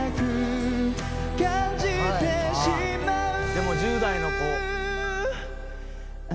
でも１０代の子。